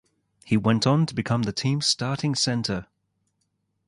He went on to become the team's starting center.